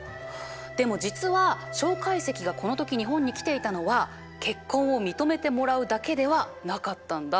でも実は介石がこの時日本に来ていたのは結婚を認めてもらうだけではなかったんだ。